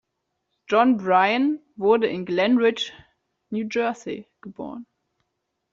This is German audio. Jon Brion wurde in Glen Ridge, New Jersey geboren.